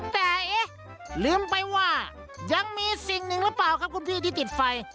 แต่เอ๊ะลืมไปว่ายังมีสิ่งหนึ่งหรือเปล่าครับคุณพี่ที่ติดไฟ